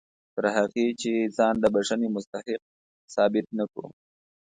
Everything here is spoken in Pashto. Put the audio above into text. تر هغه چې ځان د بښنې مستحق ثابت نه کړو.